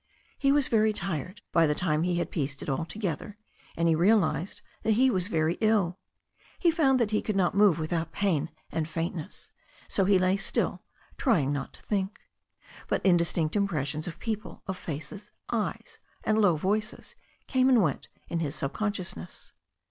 He was very tired by the time he had pieced it all to gether, and he realized that he was very ill. He found that he could not move without pain and faintness, so he lay still, trying not to think. But indistinct impressions of people, of faces, eyes, and low voices came and went in his sub consciousness.